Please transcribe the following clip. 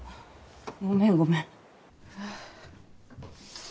ごめんごめん。